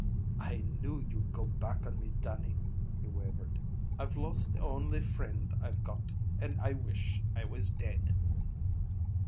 "I knew you'd go back on me, Dannie," he wavered. "I've lost the only frind I've got, and I wish I was dead."